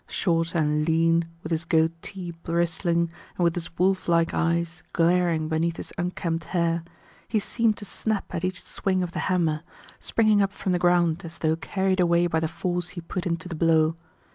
Short and lean, with his goatee bristling, and with his wolf like eyes glaring beneath his unkempt hair, he seemed to snap at each swing of the hammer, springing up from the ground as though carried away by the force he put into the blow.